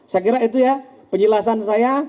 saya kira itu ya penjelasan saya